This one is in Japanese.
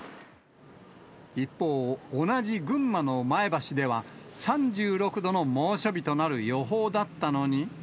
一方、同じ群馬の前橋では、３６度の猛暑日となる予報だったのに。